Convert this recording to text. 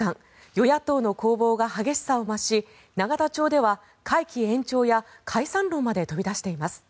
与野党の攻防が激しさを増し永田町では会期延長や解散論まで飛び出しています。